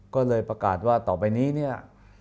ก็เลยประกาศว่าต่อไปนี้เนี่ย